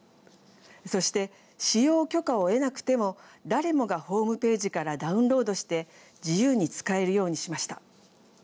そして、使用許可を得なくても誰もがホームページからダウンロードして自由に使えるようにしました。